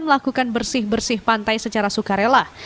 melakukan bersih bersih pantai secara sukarela